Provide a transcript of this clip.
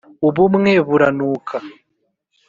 Ubumwe buranuka